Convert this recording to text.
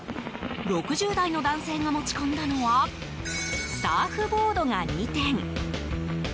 ６０代の男性が持ち込んだのはサーフボードが２点。